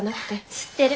知ってる。